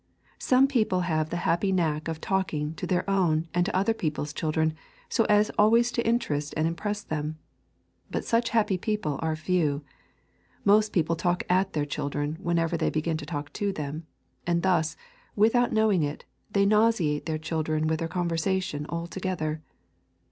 Some people have the happy knack of talking to their own and to other people's children so as always to interest and impress them. But such happy people are few. Most people talk at their children whenever they begin to talk to them, and thus, without knowing it, they nauseate their children with their conversation altogether.